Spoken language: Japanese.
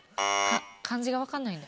漢字が分かんないんだ。